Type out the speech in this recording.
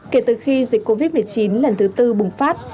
kể từ khi dịch covid một mươi chín lần thứ tư bùng phát